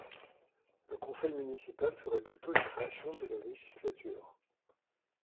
Le conseil municipal serait plutôt une création de la législature.